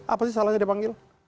apa sih salahnya dipanggil